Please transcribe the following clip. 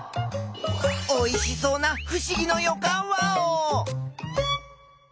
おいしそうなふしぎのよかんワオ！